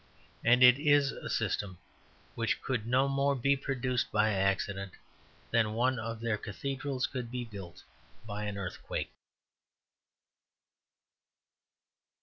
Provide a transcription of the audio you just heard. And it is a system which could no more be produced by accident than one of their cathedrals could be built by an earthquake.